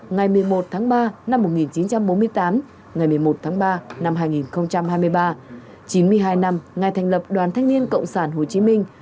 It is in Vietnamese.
ngày một mươi một tháng ba năm một nghìn chín trăm bốn mươi tám ngày một mươi một tháng ba năm hai nghìn hai mươi ba chín mươi hai năm ngày thành lập đoàn thanh niên cộng sản hồ chí minh